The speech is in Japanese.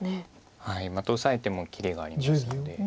またオサえても切りがありますので。